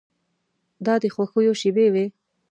دا د خوښیو شېبې وې.